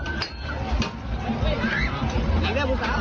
อิริอร์รผู้สาว